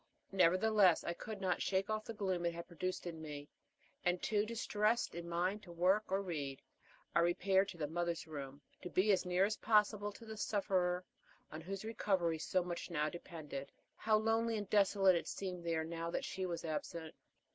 Nevertheless, I could not shake off the gloom it had produced in me, and, too distressed in mind to work or read, I repaired to the Mother's Room, to be as near as possible to the sufferer on whose recovery so much now depended. How lonely and desolate it seemed there, now that she was absent!